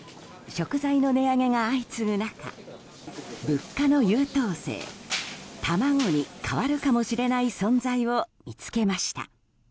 食材の値上げが相次ぐ中物価の優等生卵に代わるかもしれない存在を見つけました。